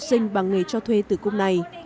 chúng tôi sẽ mưu sinh bằng nghề cho thuê tử cung này